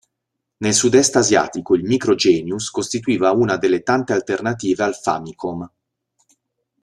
Nel sud-est asiatico il Micro Genius costituiva una delle tante alternative al Famicom.